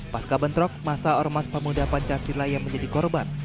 pasca bentrok masa ormas pemuda pancasila yang menjadi korban